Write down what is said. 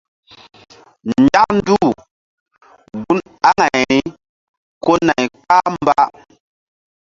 Nzak nduh un aŋayri ko nay kpah mba.